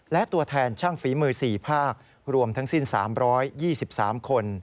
และตัวแทนช่างฝีมือ๔ภาครวมทั้งสิ้น๓๒๓คน